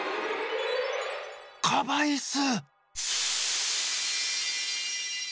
カバイス！